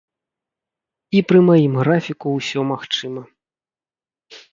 І пры маім графіку ўсё магчыма.